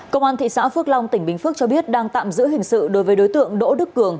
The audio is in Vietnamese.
công an thị xã phước long tỉnh bình phước cho biết đang tạm giữ hình sự đối với đối tượng đỗ đức cường